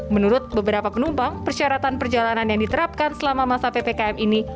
menurut beberapa penumpang persyaratan perjalanan yang diterapkan selama masa ppkm ini